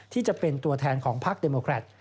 ที่จะเป็นตัวแทนของภักดิ์เดมโมครัฐ